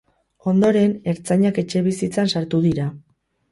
Ondoren, ertzainak etxebizitzan sartu dira.